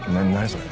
それ。